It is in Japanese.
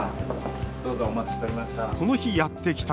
どうぞ、お待ちしておりました。